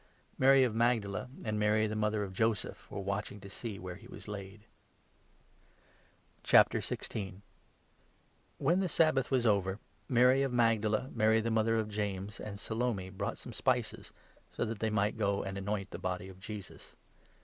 Mary of Magdala 47 and Mary, the mother of Joseph, were watching to see where he was laid. V. — THE RISEN LIFE ANNOUNCED. The When the Sabbath was over, Mary of Magdala, I Resurrection Mary the mother of James, and Salome bought of Jesus, some spices, so that they might go and anoint the body of Jesus.